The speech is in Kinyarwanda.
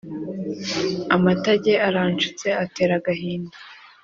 Amatage aracutse atera agahinda